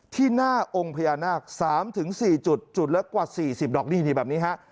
ที่หน้าองค์พญานาค๓๔จุดจุดละกว่า๔๐ดอกนี่แบบนี้ฮะ